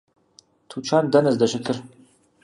Тучан дэнэ здэщытыр?